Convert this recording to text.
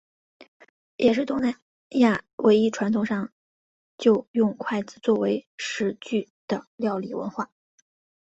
也是东南亚唯一传统上就用筷子作为食具的料理文化。